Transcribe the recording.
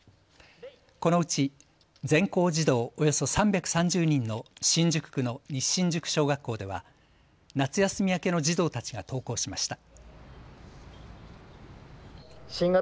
このうち全校児童およそ３３０人の新宿区の西新宿小学校では夏休み明けの児童たちが登校しました。